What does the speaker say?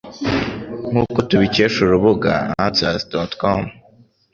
Nk'uko tubikesha urubuga answers.com,